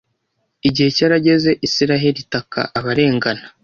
Igihe cyarageze, Isiraheli itaka abarengana